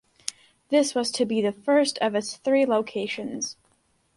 This was to be the first of its three locations.